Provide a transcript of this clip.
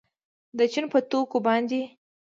د چین په توکو باندې